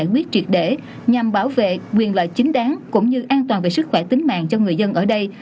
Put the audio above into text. quyết triệt để nhằm bảo vệ quyền lợi chính đáng cũng như an toàn về sức khỏe tính mạng cho người dân ở đây